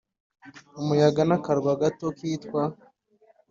umuyaga n akarwa gato kitwa